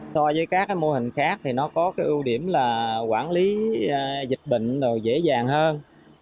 so với các mô hình khác thì nó có cái ưu điểm là quản lý dịch bệnh dễ dàng hơn